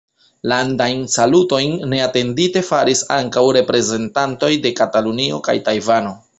Landajn salutojn neatendite faris ankaŭ reprezentantoj de Katalunio kaj Tajvano.